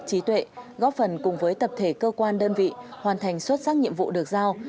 trí tuệ góp phần cùng với tập thể cơ quan đơn vị hoàn thành xuất sắc nhiệm vụ được giao